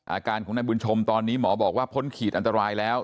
อาการของนายบุญชมตอนนี้หมอบอกว่าพ้นขีดอันตรายแล้ว